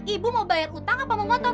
ibu mau bayar hutang apa mau ngotot